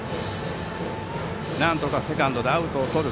なんとかセカンドでアウトをとる。